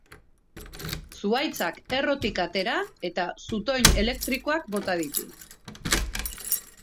Zuhaitzak errotik atera eta zutoin elektrikoak bota ditu.